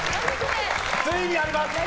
ついにやります！